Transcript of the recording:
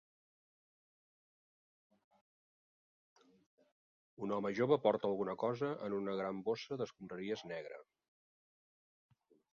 Un home jove porta alguna cosa en una gran bossa d'escombraries negre.